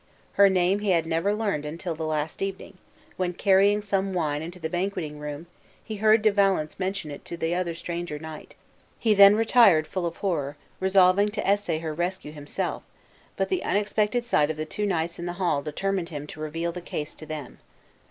Her name he had never learned until the last evening, when, carrying some wine into the banqueting room, he heard De Valence mention it to the other stranger knight. He then retired full of horror, resolving to essay her rescue himself; but the unexpected sight of the two knights in the hall determined him to reveal the case to them.